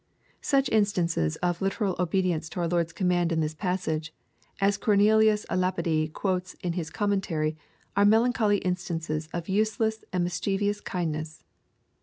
Such instances of literal obedience to our Lord's command in this piissage, as Cornelius a Lapide quotes in his Commentary are melancholy instances of useless and mischievous kindness.